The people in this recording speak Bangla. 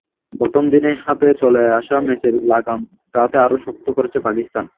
প্রথম দিনেই হাতে চলে আসা ম্যাচের লাগাম তাতে আরও শক্ত করেছে পাকিস্তান।